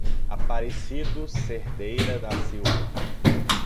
Aparecido Cerdeira da Silva